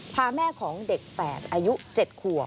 พาแม่ของเด็กแฝดอายุ๗ขวบ